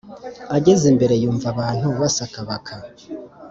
ageze imbere yumva abantu basakabaka,